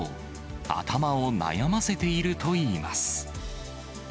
頭を悩ませているといいます。